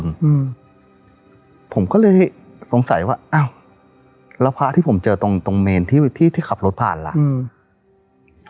อืมผมก็เลยสงสัยว่าอ้าวแล้วพระที่ผมเจอตรงตรงเมนที่ที่ขับรถผ่านล่ะอืม